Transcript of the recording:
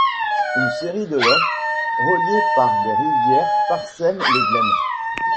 Une série de lochs, reliés par des rivières, parsème le Glen.